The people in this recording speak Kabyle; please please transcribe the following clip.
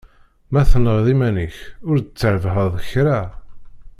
Ma tenɣiḍ iman-ik, ur d-trebbḥeḍ kra.